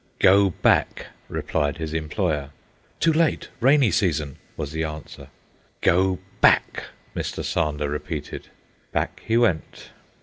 "Go back," replied his employer. "Too late. Rainy season," was the answer. "Go back!" Mr. Sander repeated. Back he went.